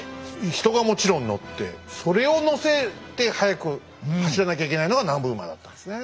人がもちろん乗ってそれを乗せて速く走らなきゃいけないのが南部馬だったんですね。